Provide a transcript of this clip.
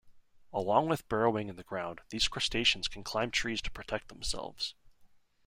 Along with burrowing in the ground, these crustaceans can climb trees to protect themselves.